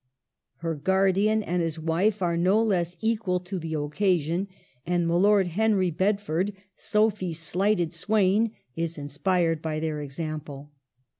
Her guar dian and his wife are no less equal to the occasion, and Milord Henri Bedford, Sophie's slighted swain, is inspired by their example.